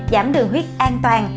giảm đường huyết an toàn